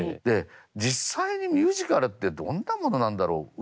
で実際にミュージカルってどんなものなんだろう。